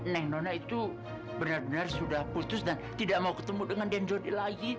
neng nona itu benar benar sudah putus dan tidak mau ketemu dengan gen jody lagi